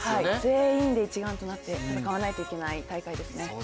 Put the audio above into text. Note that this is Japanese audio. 全員で一丸となって戦わないといけない大会ですね。